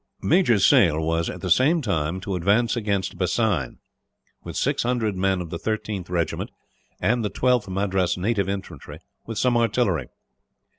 Major Sale was, at the same time, to advance against Bassein; with 600 men of the 13th Regiment, and the 12th Madras Native infantry, with some artillery.